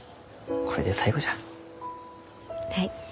はい。